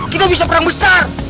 kita bisa perang besar